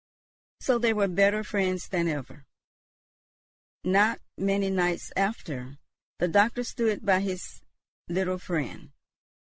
So they were better friends than ever. Not many nights after, the doctor stood by his little friend.